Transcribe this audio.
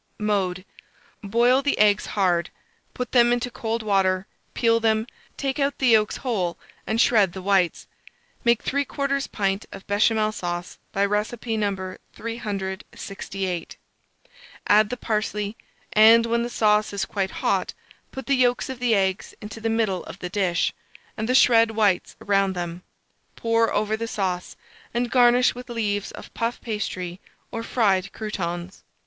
Mode. Boil the eggs hard; put them into cold water, peel them, take out the yolks whole, and shred the whites. Make 3/4 pint of Béchamel sauce by recipe No. 368; add the parsley, and, when the sauce is quite hot, put the yolks of the eggs into the middle of the dish, and the shred whites round them; pour over the sauce, and garnish with leaves of puff paste or fried croûtons.